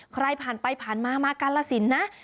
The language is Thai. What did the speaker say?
ใครผ่านไปผ่านมามากาลสินนะ